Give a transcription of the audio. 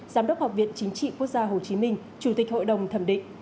giám đốc học viện chính trị quốc gia hồ chí minh chủ tịch hội đồng thẩm định